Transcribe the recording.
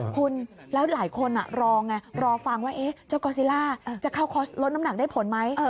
คุณแล้วหลายคนรอไงรอฟังว่าเจ้ากอซิล่าจะเข้าลดน้ำหนักได้ผลไหม